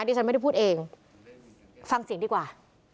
ฉันไม่ได้พูดเองฟังเสียงดีกว่า